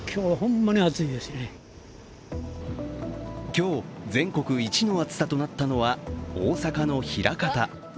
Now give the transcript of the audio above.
今日、全国一の暑さとなったのは大阪の枚方。